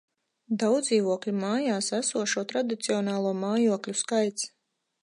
Daudzdzīvokļu mājās esošo tradicionālo mājokļu skaits